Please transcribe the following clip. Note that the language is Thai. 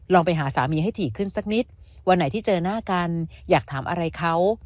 ไปหาสามีให้ถี่ขึ้นสักนิดวันไหนที่เจอหน้ากันอยากถามอะไรเขา